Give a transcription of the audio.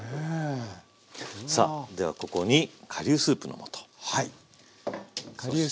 さあではここに顆粒スープの素。